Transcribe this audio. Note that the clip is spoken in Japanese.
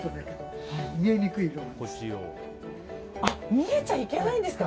見えちゃいけないんですか。